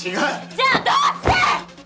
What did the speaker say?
じゃあどうして！？